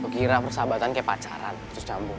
kira persahabatan kayak pacaran terus campur